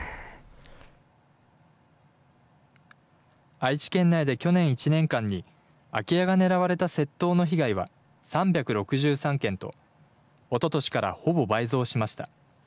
愛知県内で去年１年間に空き家が狙われた窃盗の被害は３６３件と、おととしからほぼ倍増しました。